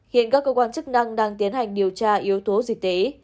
hiện các cơ quan chức năng đang tiến hành điều tra yếu tố dịch tễ